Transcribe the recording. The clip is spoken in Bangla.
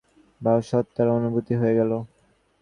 অজ্ঞানটা যেই সরে দাঁড়াল, তখনি ব্রহ্ম-সত্তার অনুভূতি হয়ে গেল।